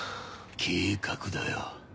計画だよ。